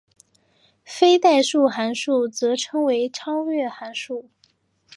非代数函数则称为超越函数。